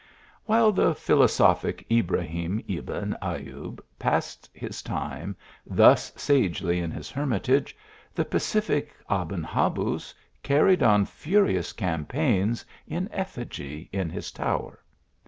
While the philosophic Ibrahim Ebn Ayub passed his time thus sagely in his hermitage, the pacific Aben Habuz carried on furious campaigns in effigy in his tower.